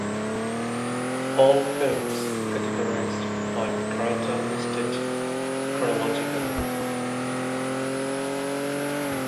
All films categorized by character listed chronologically.